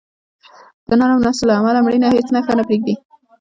د نرم نسج له امله مړینه هیڅ نښه نه پرېږدي.